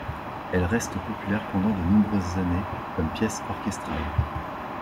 Elle reste populaire pendant de nombreuses années comme pièce orchestrale.